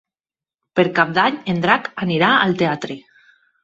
Per Cap d'Any en Drac anirà al teatre.